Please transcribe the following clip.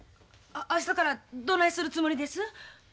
あ明日からどないするつもりです？